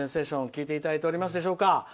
聴いていただいておりますでしょうか。